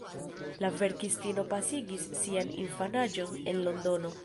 La verkistino pasigis sian infanaĝon en Londono.